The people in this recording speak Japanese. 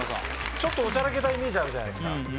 ちょっとおちゃらけたイメージあるじゃないですか。